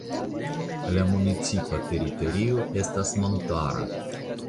La municipa teritorio estas montara.